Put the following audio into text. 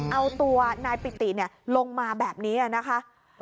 เอาตัวนายปิติลงมาแบบนี้นะคะ